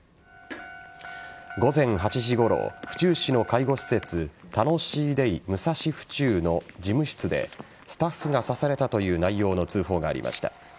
午前８時ごろ府中市の介護施設たのしいデイむさしふちゅうの事務室でスタッフが刺されたという内容の通報がありました。